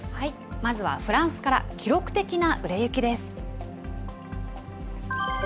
まずはフランスから、記録的な売れ行きです。